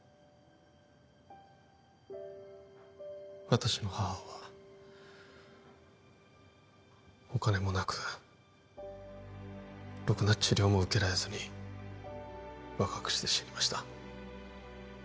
私の母はお金もなくろくな治療も受けられずに若くして死にました